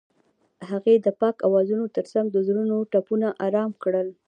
هغې د پاک اوازونو ترڅنګ د زړونو ټپونه آرام کړل.